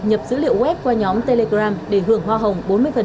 nhập dữ liệu web qua nhóm telegram để hưởng hoa hồng bốn mươi